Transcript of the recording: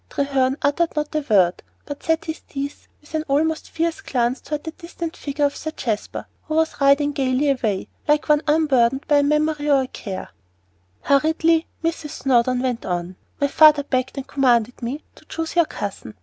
Treherne uttered not a word, but set his teeth with an almost fierce glance toward the distant figure of Sir Jasper, who was riding gaily away, like one unburdened by a memory or a care. Hurriedly Mrs. Snowdon went on, "My father begged and commanded me to choose your cousin.